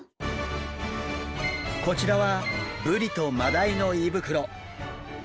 こちらはブリとマダイの胃袋。